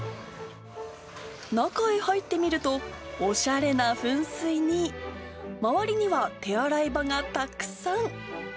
中へ入ってみると、おしゃれな噴水に、周りには手洗い場がたくさん。